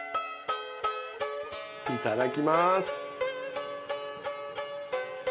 いただきます。